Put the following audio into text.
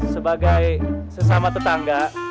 sebagai sesama tetangga